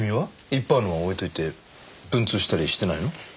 一般論はおいといて文通したりしてないの？